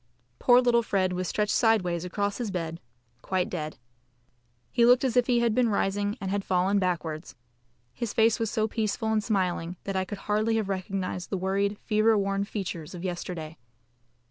Poor little Fred was stretched sideways across his bed, quite dead. He looked as if he had been rising and had fallen backwards. His face was so peaceful and smiling that I could hardly have recognised the worried, fever worn features of yesterday.